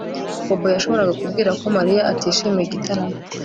Bobo yashoboraga kubwira ko Mariya atishimiye igitaramo